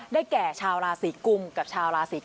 แก่ชาวราศีกุมกับชาวราศี